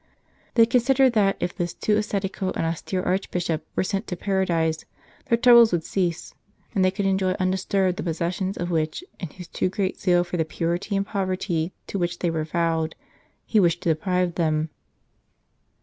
They considered that if this too ascetical and austere Archbishop were sent to Paradise their troubles would cease, and they could enjoy un disturbed the possessions of which, in his too great zeal for the purity and poverty to which they were vowed, he wished to deprive them.